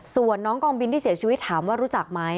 ส่วนน้องกองบินที่เสียชีวิตถามว่ารู้จักไหม